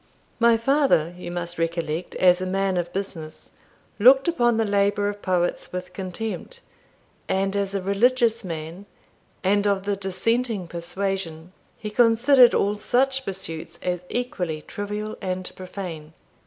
My father, you must recollect, as a man of business, looked upon the labour of poets with contempt; and as a religious man, and of the dissenting persuasion, he considered all such pursuits as equally trivial and profane.